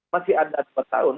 masih ada dua tahun